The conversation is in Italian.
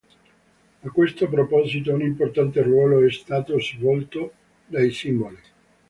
A questo proposito un importante ruolo è stato svolto dai simboli.